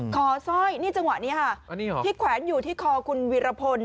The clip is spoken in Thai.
สร้อยนี่จังหวะนี้ค่ะที่แขวนอยู่ที่คอคุณวิรพล